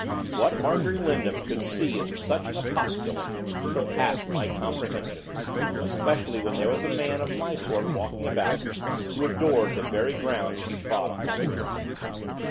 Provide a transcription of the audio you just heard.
What Marjorie Lindon could see in such an opusculum surpassed my comprehension; especially when there was a man of my sort walking about, who adored the very ground she trod upon.